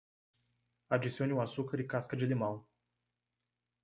Adicione o açúcar e casca de limão.